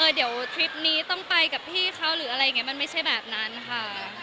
เดี๋ยวทริปนี้ต้องไปกับพี่เขาหรืออะไรอย่างนี้มันไม่ใช่แบบนั้นค่ะ